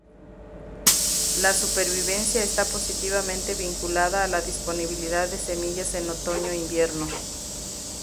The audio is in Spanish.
La supervivencia está positivamente vinculada a la disponibilidad de semillas en otoño-invierno.